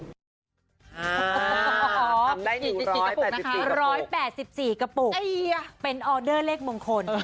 ๑๘๔กระปุกเป็นออเดอร์เลขมงคล